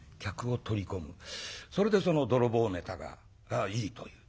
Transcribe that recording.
それでその泥棒ネタがいいという。